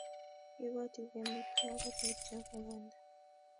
Ibwat ile mutyo ako mutyo ko banda